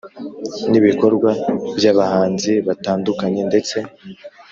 n’ibikorwa by’abahanzi batandukanye ndetse